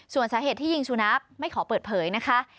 ส่วนสาเหตุที่ยิงสุนัขไม่ขอเปิดเผยนะคะ